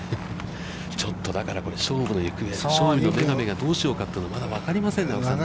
ちょっとだから、勝負の行方が、勝利の女神がどうしようかというのはまだ分かりませんね、これね。